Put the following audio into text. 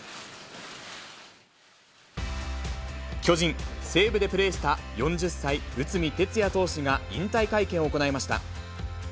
巨人、西武でプレーした４０歳、内海哲也投手が引退会見を行いました。